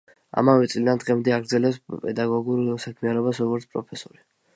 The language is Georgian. ამავე წლიდან დღემდე აგრძელებს პედაგოგიურ საქმიანობას როგორც პროფესორი.